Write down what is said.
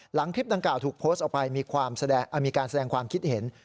คลิปดังกล่าวถูกโพสต์ออกไปมีการแสดงความคิดเห็น